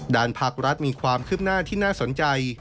ด้านภาครัฐมีความคืบหน้าที่น่าสนใจ